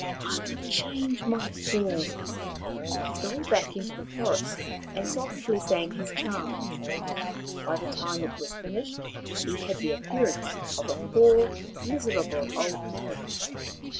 I will change my form." Tawhaki's Climb 43 He stole back into the forest, and softly sang his charm. By the time it was finished he had the appearance of a poor, miserable old man.